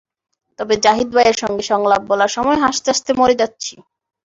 তবে জাহিদ ভাইয়ের সঙ্গে সংলাপ বলার সময় হাসতে হাসতে মরে যাচ্ছি।